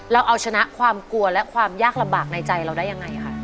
เราเอาชนะความกลัวและความยากลำบากในใจเราได้ยังไงคะ